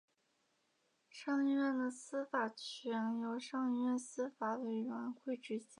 上议院的司法权由上议院司法委员会执行。